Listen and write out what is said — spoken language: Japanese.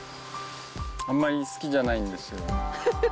あんまり好きじゃないんですよ。